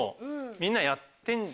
みんなやってんじゃ。